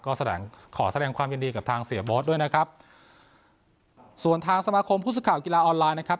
ก็แสดงขอแสดงความยินดีกับทางเสียโบ๊ทด้วยนะครับส่วนทางสมาคมผู้สื่อข่าวกีฬาออนไลน์นะครับ